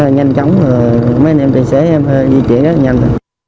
nhanh chóng mấy anh em tài xế em di chuyển rất là nhanh